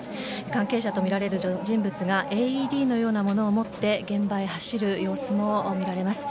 関係者とみられる人物がＡＥＤのようなものを持って現場に走る様子も見られます。